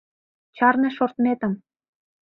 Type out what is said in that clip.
Чарне шортметым...